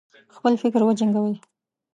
خپل فکر وجنګوي.